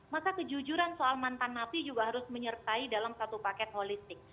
maka kejujuran soal mantan napi juga harus menyertai dalam satu paket holistik